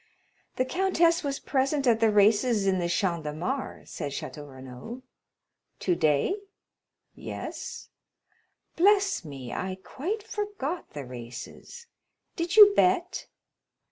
"The countess was present at the races in the Champ de Mars," said Château Renaud. "Today?" "Yes." "Bless me, I quite forgot the races. Did you bet?"